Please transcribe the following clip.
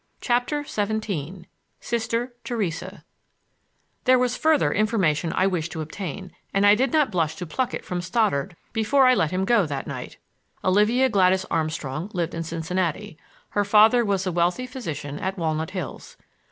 CHAPTER XVII SISTER THERESA There was further information I wished to obtain, and I did not blush to pluck it from Stoddard before I let him go that night. Olivia Gladys Armstrong lived in Cincinnati; her father was a wealthy physician at Walnut Hills.